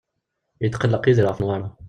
Yetqelleq Yidir ɣef Newwara.